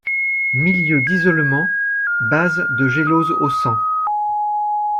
Milieu d'isolement, base de gélose au sang.